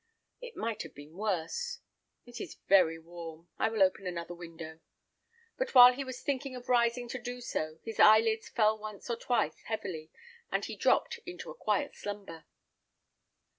It might have been worse. It is very warm; I will open another window." But while he was thinking of rising to do so, his eyelids fell once or twice heavily, and he dropped into a quiet slumber.